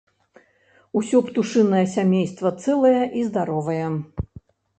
Усё птушынае сямейства цэлае і здаровае.